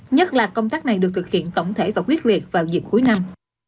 nhất là công tác này được thực hiện tổng thể và quyết liệt vào dịp cuối năm